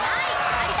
有田